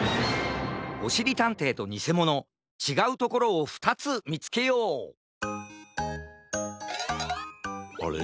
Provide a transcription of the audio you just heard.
おしりたんていとにせものちがうところを２つみつけようあれ？